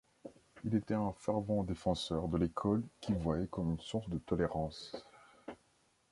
Il était un fervent défenseur de l'école qu'il voyait comme une source de tolérance.